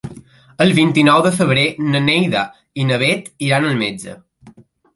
El vint-i-nou de febrer na Neida i na Bet iran al metge.